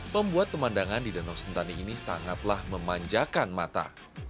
membuat pemandangan di danau sentani ini sangatlah memanjakan mata